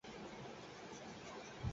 পৃথিবীর জন্যে প্রার্থনা তো কম করা হয়নি!